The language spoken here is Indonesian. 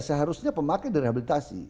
seharusnya pemakai direhabilitasi